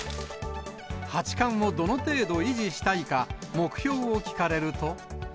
八冠をどの程度維持したいか、目標を聞かれると。